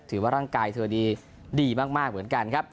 ถือว่าร่างกายเธอดีมากเหมือนกันครับ